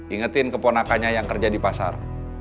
ingetin keponakannya yang kerja di pasar